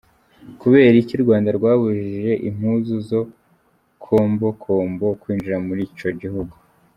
Kubera iki Urwanda rwabujije impuzu za kombokombo kwinjira muri ico gihugu?.